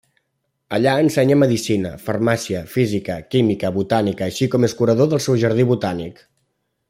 Allà ensenya Medicina, Farmàcia, Física, Química, Botànica, així com és curador del seu Jardí botànic.